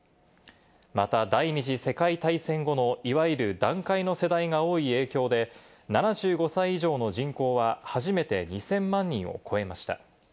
また第二次世界大戦後のいわゆる団塊の世代が多い影響で、７５歳以上の人口は初めて２０００万人を超えました。